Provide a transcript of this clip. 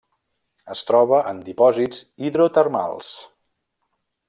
Es troba en dipòsits hidrotermals.